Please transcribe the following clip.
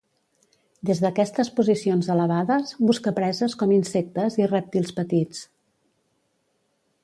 Des d'aquestes posicions elevades, busca preses com insectes i rèptils petits.